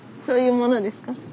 そういうものですか？